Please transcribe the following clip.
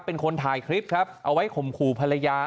เป็นคนถ่ายคลิปครับเอาไว้ข่มขู่ภรรยา